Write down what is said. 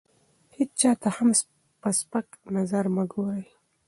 هېچا ته هم په سپک نظر مه ګورئ!